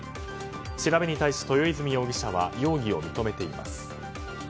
調べに対し、豊泉容疑者は容疑を認めています。